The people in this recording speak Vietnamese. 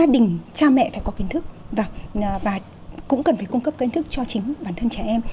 đình cha mẹ phải có kiến thức và cũng cần phải cung cấp kiến thức cho chính bản thân trẻ em